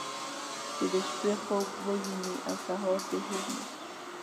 چې د شپې خوب ووينې او سهار دې هېر نه شي.